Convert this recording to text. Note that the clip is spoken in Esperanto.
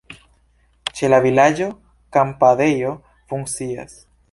Ĉe la vilaĝo kampadejo funkcias.